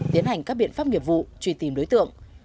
tiến hành các biện pháp nghiệp vụ truy tìm đối tượng